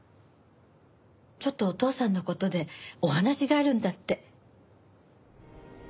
ちょっとお父さんの事でお話があるんだって。